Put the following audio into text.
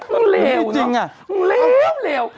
มึงเลวาว